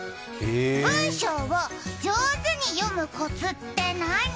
文章を上手に読むコツって何？